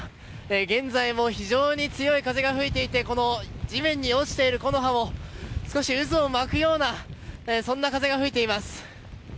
現在も非常に強い風が吹いていて地面に落ちている木の葉も少し渦を巻くようなそんな風が吹いています。